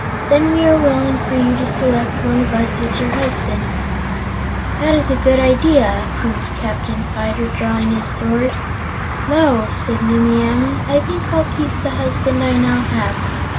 Then we are willing for you to select one of us as your husband." "That is a good idea," approved Captain Fyter, drawing his sword. "No," said Nimmie Amee; "I think I'll keep the husband I now have.